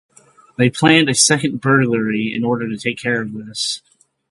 They planned a second "burglary" in order to take care of this.